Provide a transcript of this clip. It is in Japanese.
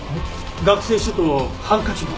学生証とハンカチも。